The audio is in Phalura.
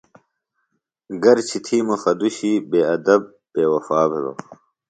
گرچہ تھی مُخہ دُشی بے ادب بے وفا بِھلوۡ۔